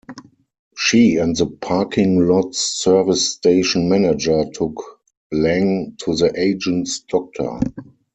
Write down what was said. She and the parking lot's service station manager took Lang to the agent's doctor.